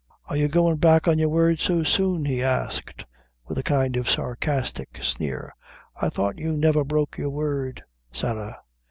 "Are you goin' back o' your word so soon!" he asked, with a kind of sarcastic sneer. "I thought you never broke your word, Sarah."